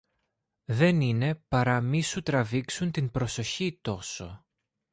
δεν είναι παρά μη σου τραβήξουν την προσοχή τόσο